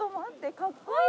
かっこいい！